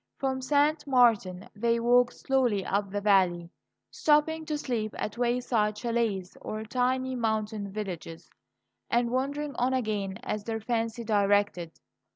From St. Martin they walked slowly up the valley, stopping to sleep at wayside chalets or tiny mountain villages, and wandering on again as their fancy directed.